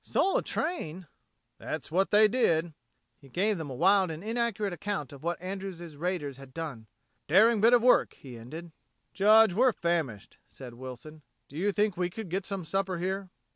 "Stole a train!" "That's what they did!" He gave them a wild and inaccurate account of what Andrews' raiders had done. "A daring bit of work!" he ended. "Judge, we're famished," said Wilson. "Do you think we could get some supper here?"